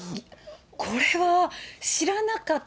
これは知らなかった。